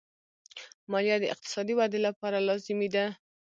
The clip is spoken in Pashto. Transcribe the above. مالیه د اقتصادي ودې لپاره لازمي ده.